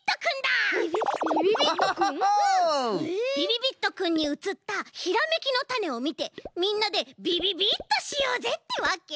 びびびっとくんにうつったひらめきのタネをみてみんなでびびびっとしようぜってわけ！